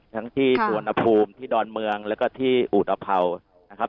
ทั้งที่สวนภูมิที่ดอนเมืองแล้วก็ที่อุตภัวร์นะครับ